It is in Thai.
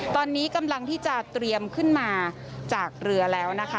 ตอนนี้กำลังที่จะเตรียมขึ้นมาจากเรือแล้วนะคะ